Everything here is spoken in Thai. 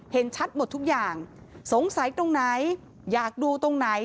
เห็นชัดหมดทุกอย่างสงสัยตรงไหนอยากดูตรงไหน